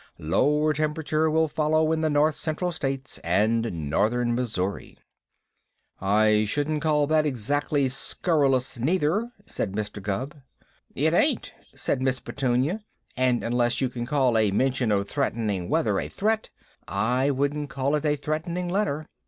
Lower temperature will follow in the North Central States and Northern Missouri. "I shouldn't call that exactly scurrilous, neither," said Mr. Gubb. "It ain't," said Miss Petunia, "and unless you can call a mention of threatening weather a threat, I wouldn't call it a threatening letter.